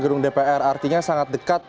gedung dpr artinya sangat dekat